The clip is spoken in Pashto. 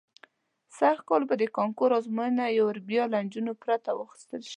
سږ کال به د کانکور ازموینه یو وار بیا له نجونو پرته واخیستل شي.